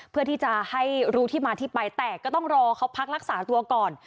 เพื่อที่จะให้รู้ที่มาที่ไปแต่ก็ต้องรอเขาพักรักษาตัวก่อน